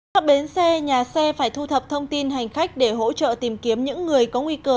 các bến xe nhà xe phải thu thập thông tin hành khách để hỗ trợ tìm kiếm những người có nguy cơ